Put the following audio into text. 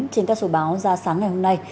trên các số báo ra sáng ngày hôm nay